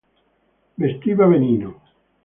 Vestiva benino.